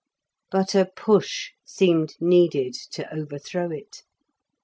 But a push seemed needed to overthrow it.